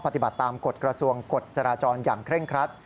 ตามกฏกระสวงกฏจราจรอย่างเคร่งครัด